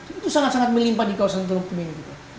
itu sangat sangat melimpa di kawasan teluk tomini